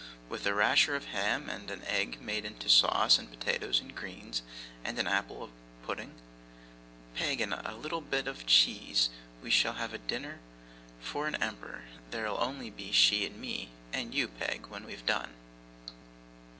'With a rasher of ham, and an egg made into sauce, and potatoes, and greens, and an apple pudding, Peg, and a little bit of cheese, we shall have a dinner for an emperor. There'll only be she and me and you, Peg, when we've done.